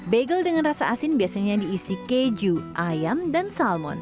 bagel dengan rasa asin biasanya diisi keju ayam dan salmon